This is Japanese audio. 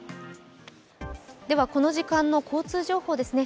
この時間の交通情報ですね。